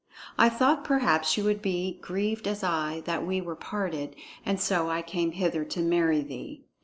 I thought perhaps you would be grieved as I that we were parted, and so I came hither to marry thee."